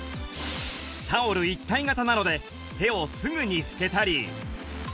タオル一体型なので手をすぐに拭けたり